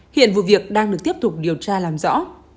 hiện vụ việc đang được tiếp tục điều tra làm rõ